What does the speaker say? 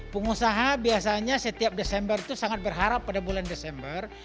pengusaha biasanya setiap desember itu sangat berharap pada bulan desember